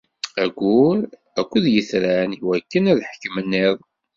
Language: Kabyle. Ayyur akked yitran iwakken ad ḥekmen iḍ.